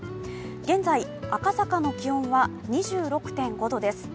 現在、赤坂の気温は２６．５度です。